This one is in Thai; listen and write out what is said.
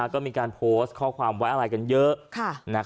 ก็มีการโพสต์ข้อความไว้อะไรกันเยอะ